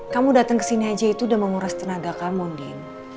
kamu dateng kesini aja itu udah menguras tenaga kamu din